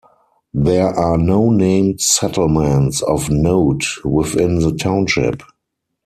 There are no named settlements of note within the township.